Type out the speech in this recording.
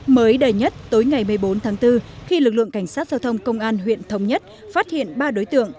mới đầy nhất tối ngày một mươi bốn tháng bốn khi lực lượng cảnh sát giao thông công an huyện thống nhất phát hiện ba đối tượng